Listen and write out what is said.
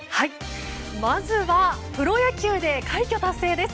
まずはプロ野球で快挙達成です。